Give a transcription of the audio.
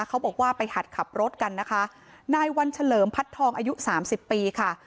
เขาบอกว่าไปหัดขับรถกันนะคะนายวันเฉลิมพัดทองอายุสามสิบปีค่ะ